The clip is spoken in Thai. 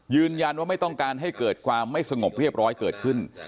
ไม่ต้องการให้เกิดความไม่สงบเรียบร้อยเกิดขึ้น